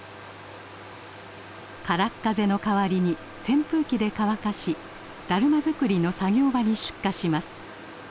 からっ風の代わりに扇風機で乾かしだるま作りの作業場に出荷します。